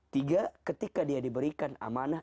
tiga ketika dia diberikan amanah